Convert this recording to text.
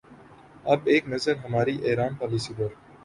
اب ایک نظر ہماری ایران پالیسی پر۔